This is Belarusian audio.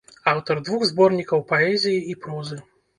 Аўтар двух зборнікаў паэзіі і прозы.